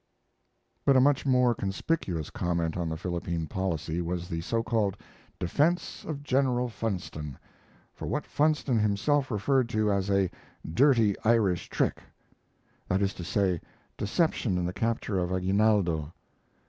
But a much more conspicuous comment on the Philippine policy was the so called "Defense of General Funston" for what Funston himself referred to as a "dirty Irish trick"; that is to say, deception in the capture of Aguinaldo.